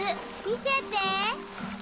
見せて。